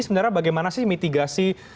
sebenarnya bagaimana sih mitigasi